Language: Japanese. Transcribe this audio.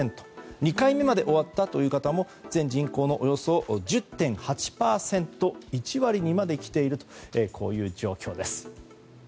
２回目まで終わったという方も全人口のおよそ１０．８％１割にまできているというこういう状況です。